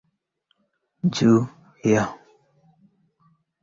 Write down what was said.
Suala hili limekuwa muhimu sana katika historia ya Ukristo Njia